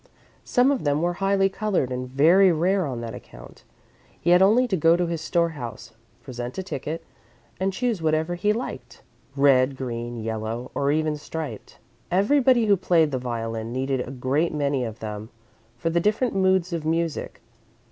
Some of them were highly coloured and very rare on that account. He had only to go to his storehouse, present a ticket, and choose whatever he liked red, green, yellow, or even striped. Everybody who played the violin needed a great many of them, for the different moods of music.